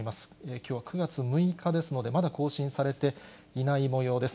きょうは９月６日ですので、まだ更新されていないもようです。